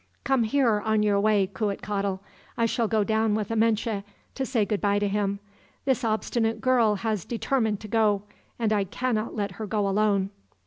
"'Come here on your way, Cuitcatl. I shall go down with Amenche to say goodbye to him. This obstinate girl has determined to go, and I cannot let her go alone.'